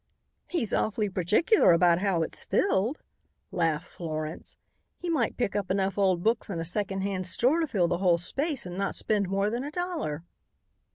"He's awfully particular about how it's filled," laughed Florence. "He might pick up enough old books in a secondhand store to fill the whole space and not spend more than a dollar."